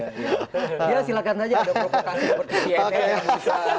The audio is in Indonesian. ada provokasi seperti ini yang bisa